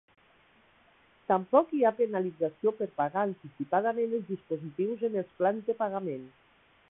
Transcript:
Tampoc hi ha penalització per pagar anticipadament els dispositius en els plans de pagament.